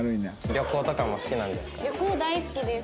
旅行大好きです。